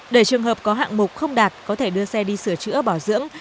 để trường hợp có hạng mục không đạt có thể đưa xe đi sửa chữa bảo dưỡng